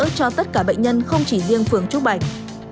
giúp đỡ tất cả bệnh nhân không chỉ liên phường chốt bệnh